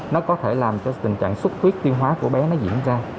nó có thể làm cho tình trạng xuất huyết tiêu hóa của bé nó diễn ra